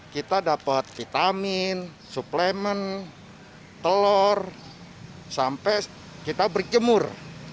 kita dapat vitamin suplemen telur sampai kita berjemur